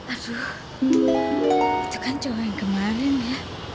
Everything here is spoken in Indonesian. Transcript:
aduh itu kan cuma yang kemarin ya